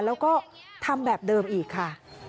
แล้วก็ทำแบบเดิมอีกค่ะ